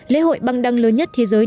lễ hội băng đăng lớn nhất thế giới